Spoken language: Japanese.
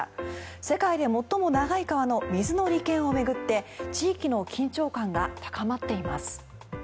世界で最も長い川の水の利権を巡って地域の緊張感が高まっています。